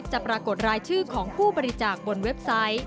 ปรากฏรายชื่อของผู้บริจาคบนเว็บไซต์